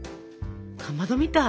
かまどみたい。